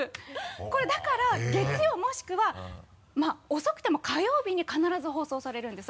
これだから月曜もしくはまぁ遅くても火曜日に必ず放送されるんです。